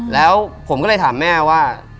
แล้วผมก็เลยถามแม่ว่า